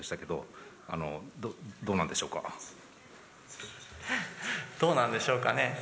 どうなんでしょうかね。